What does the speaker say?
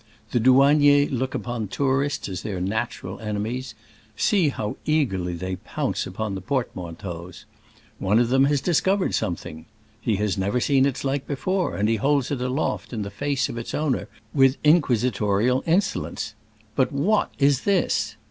The douaniers look upon tourists as their natural enemies : see how eagerly they pounce upon the port manteaus ! Qne of them has discover ed something. He has never seen its like before, and he holds it aloft in the the face of its owner with inquisitorial insolence :*' But what is this